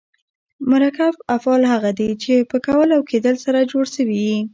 مرکب افعال هغه دي، چي په کول او کېدل سره جوړ سوي یي.